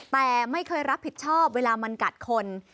แต่ไม่เคยรับผิดชอบเวลามันกัดคน